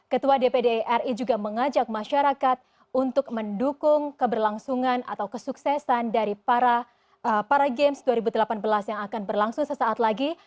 ketua dpd ri juga mengajak masyarakat untuk mendukung keberlangsungan atau kesuksesan dari para games dua ribu delapan belas yang akan berlangsung sesaat lagi